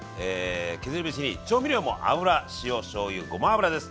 削り節に調味料も油・塩・しょうゆごま油です。